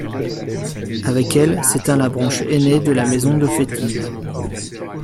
Avec elle s'éteint la branche aîné de la Maison de Festil.